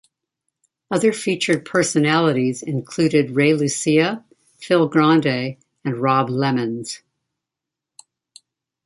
Other featured personalities included Ray Lucia, Phil Grande and Rob Lemons.